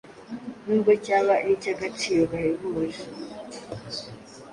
nubwo cyaba ari icy’agaciro gahebuje.